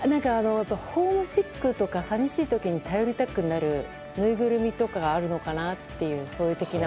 ホームシックとか寂しいときに頼りたくなるぬいぐるみとかがあるのかなという。